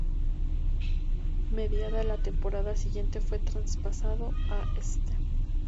Mediada la temporada siguiente fue traspasado a St.